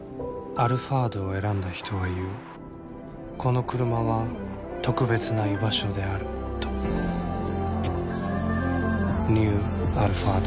「アルファード」を選んだ人は言うこのクルマは特別な居場所であるとニュー「アルファード」